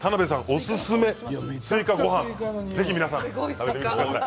おすすめスイカごはんを、ぜひ皆さん召し上がってみてください。